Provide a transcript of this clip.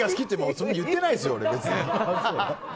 あまり言ってないですよ別に。